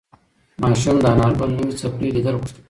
ماشوم د انارګل نوې څپلۍ لیدل غوښتل.